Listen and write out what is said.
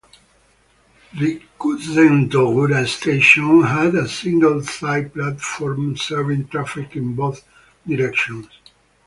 Rikuzen-Togura Station had a single side platform serving traffic in both directions.